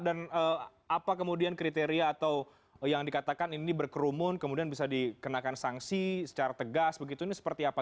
dan apa kemudian kriteria atau yang dikatakan ini berkerumun kemudian bisa dikenakan sanksi secara tegas begitu ini seperti apa